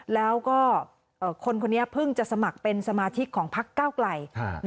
แล้วก็คนคนนี้เพิ่งจะสมัครเป็นสมาชิกของพักเก้าไกล